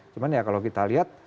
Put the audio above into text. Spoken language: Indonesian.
cuman ya kalau kita lihat